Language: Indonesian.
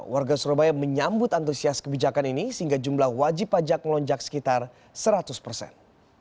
warga surabaya menyambut antusias kebijakan ini sehingga jumlah wajib pajak melonjak sekitar seratus persen